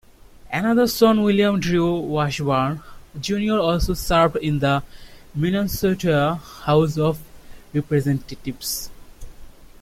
Another son William Drew Washburn, Junior also served in the Minnesota House of Representatives.